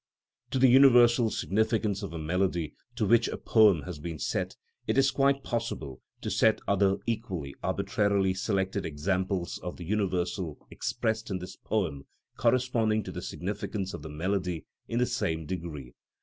To the universal significance of a melody to which a poem has been set, it is quite possible to set other equally arbitrarily selected examples of the universal expressed in this poem corresponding to the significance of the melody in the same degree.